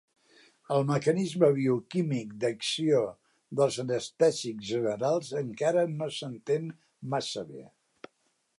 El mecanisme bioquímic d'acció dels anestèsics generals encara no s'entén massa bé.